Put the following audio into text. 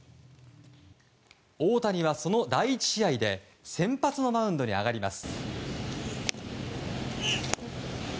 大谷は、その第１試合で先発のマウンドに上がります。